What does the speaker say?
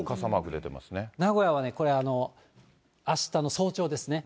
名古屋はね、これ、あしたの早朝ですね。